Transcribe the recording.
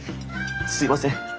すいません。